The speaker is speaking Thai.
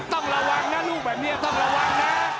ต้องระวังนะลูกแบบนี้ต้องระวังนะ